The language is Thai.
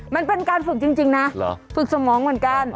มันเป็นการฝึกจริงนะฝึกสมองเหมือนกัน